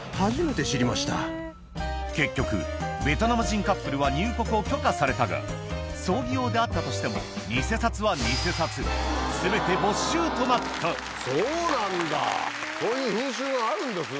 結局ベトナム人カップルは入国を許可されたが葬儀用であったとしても偽札は偽札そうなんだそういう風習があるんですね。